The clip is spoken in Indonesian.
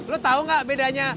lo tahu nggak bedanya